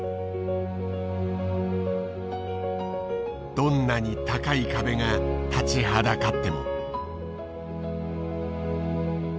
どんなに高い壁が立ちはだかっても。